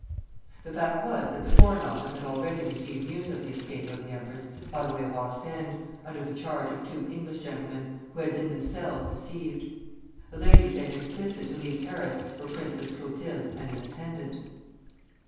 The fact was that the Foreign Office had already received news of the escape of the empress by way of Ostend, under the charge of two English gentlemen, who had been themselves deceived. The ladies they had assisted to leave Paris were Princess Clotilde and an attendant.